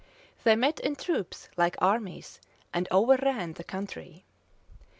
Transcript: [*] They met in troops like armies, and over ran the country.